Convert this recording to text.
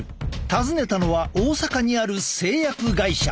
訪ねたのは大阪にある製薬会社。